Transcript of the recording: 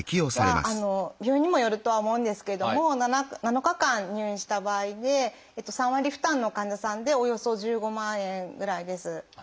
病院にもよるとは思うんですけれども７日間入院した場合で３割の負担の患者さんでおよそ１５万円ぐらいです。